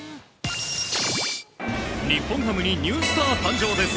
日本ハムにニュースター誕生です。